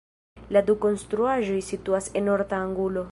La du konstruaĵoj situas en orta angulo.